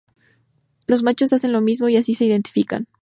Los machos hacen lo mismo y así se identifican.